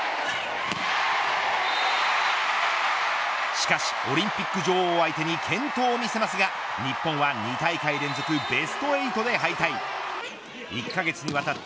しかし、オリンピック女王相手に健闘を見せますが日本は２大会連続ベスト８で敗退。